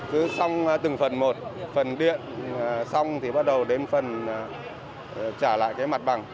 cứ xong từng phần một phần điện xong thì bắt đầu đến phần trả lại cái mặt bằng